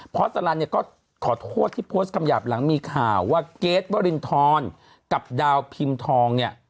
โทษที่โพสต์คำหยาบหลังมีข่าวว่าเกษตร์วรินทรกับดาวพิมพ์ทองเนี่ย